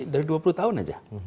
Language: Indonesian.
dari dua puluh tahun aja